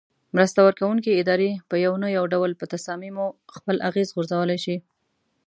مرسته ورکوونکې ادارې په یو نه یو ډول په تصامیمو خپل اغیز غورځولای شي.